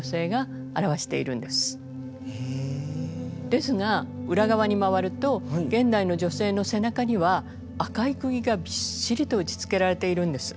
ですが裏側に回ると現代の女性の背中には赤いくぎがびっしりと打ちつけられているんです。